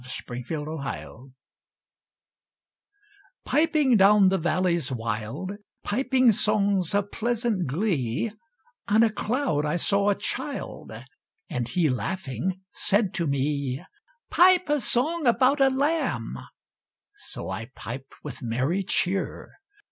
THE HAPPY PIPER Piping down the valleys wild, Piping songs of pleasant glee, On a cloud I saw a child, And he laughing said to me: "Pipe a song about a Lamb!" So I piped with merry cheer.